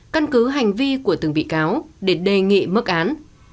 căn cứ hành vi của từng bị cáo để đề nghị mức án